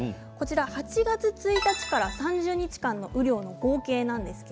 ８月１日から３０日間の雨量の合計です。